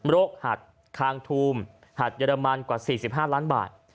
หัดคางทูมหัดเรมันกว่า๔๕ล้านบาท